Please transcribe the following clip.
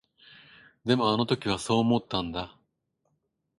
でも、あの時はそう思ったんだ。